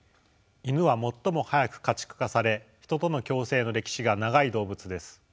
イヌは最も早く家畜化されヒトとの共生の歴史が長い動物です。